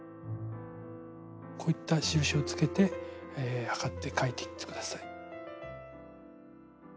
こういった印をつけて測って書いていって下さい。